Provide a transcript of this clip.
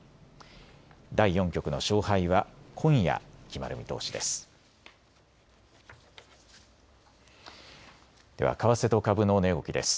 第４局の勝敗は今夜、決まる見通しです。